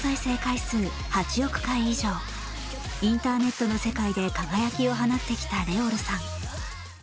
インターネットの世界で輝きを放ってきたＲｅｏｌさん。